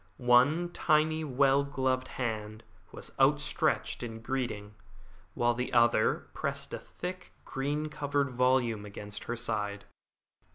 One tiny well gloved hand was outstretched in greeting, while the other pressed a thick, green covered volume against her side.